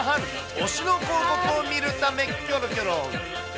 推しの広告を見るためキョロキョロ。